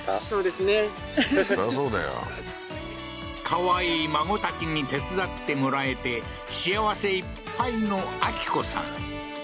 かわいい孫たちに手伝ってもらえて、幸せいっぱいの秋子さん。